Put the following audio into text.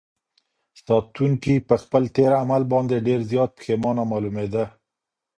ساتونکي په خپل تېر عمل باندې ډېر زیات پښېمانه معلومېده.